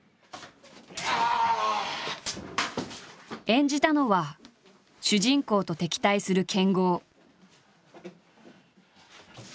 演じたのは主人公と敵対する剣豪。